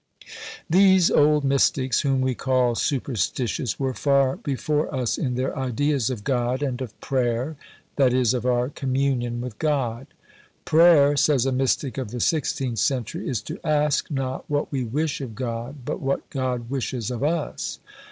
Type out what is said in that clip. These old Mystics whom we call superstitious were far before us in their ideas of God and of prayer (that is of our communion with God). "Prayer," says a mystic of the 16th century, "is to ask not what we wish of God, but what God wishes of us."